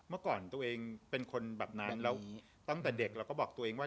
เมื่อก่อนตัวเองเป็นคนแบบนั้นแล้วตั้งแต่เด็กเราก็บอกตัวเองว่า